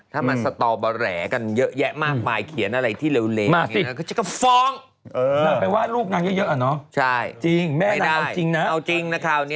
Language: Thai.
ถ้ามันสตอแบวแหลกกันเยอะแยะมากไฟล์เขียนอะไรที่เลวเลง